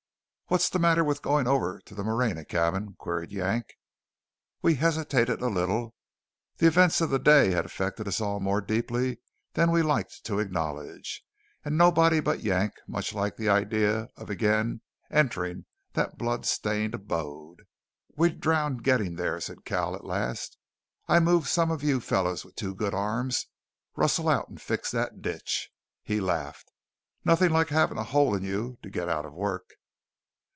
"What's the matter with going over to the Moreña cabin?" queried Yank. We hesitated a little. The events of the day had affected us all more deeply than we liked to acknowledge; and nobody but Yank much liked the idea of again entering that blood stained abode. "We'd drown getting there," said Cal at last. "I move some of you fellows with two good arms rustle out and fix that ditch." He laughed. "Nothing like having a hole in you to get out of work."